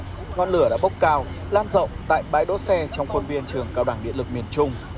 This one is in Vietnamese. ngọn lửa đã bốc cao lan rộng tại bãi đỗ xe trong khuôn viên trường cao đẳng điện lực miền trung